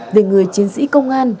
về người chiến sĩ công an